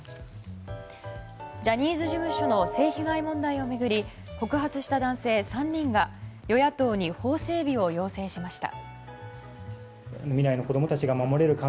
ジャニーズ事務所の性被害問題を巡り告発した男性３人が与野党に法整備を要請しました。